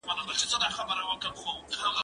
زه هره ورځ شګه پاکوم؟!